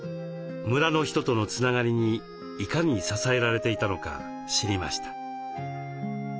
村の人とのつながりにいかに支えられていたのか知りました。